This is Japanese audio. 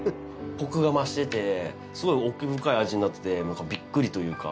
コクが増しててすごい奥深い味になっててビックリというか。